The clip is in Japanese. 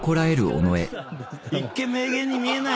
一見名言に見えない。